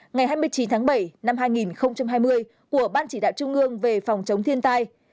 ngày hai mươi chín tháng bảy năm hai nghìn hai mươi của ban chỉ đạo trung ương về phòng chống thiên tai